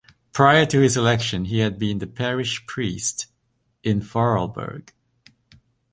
Prior to his election he had been the parish priest in Vorarlberg.